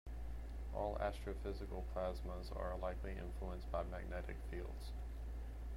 All astrophysical plasmas are likely influenced by magnetic fields.